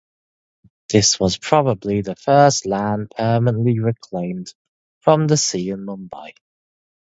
This was probably the first land permanently reclaimed from the sea in Mumbai.